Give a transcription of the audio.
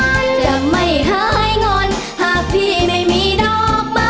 จะไม่หายงอนหากพี่ไม่มีดอกมา